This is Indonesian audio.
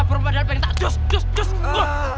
sampai jumpa lagi kita